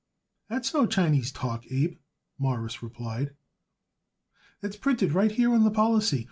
"That's no Chinese talk, Abe," Morris replied. "That's printed right here on the policy.